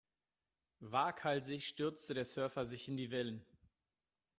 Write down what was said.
Waghalsig stürzte der Surfer sich in die Wellen.